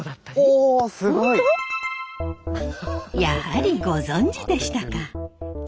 やはりご存じでしたか。